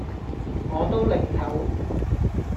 我都擰頭